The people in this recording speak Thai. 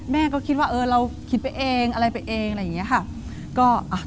มันจะมีข้อจำกัด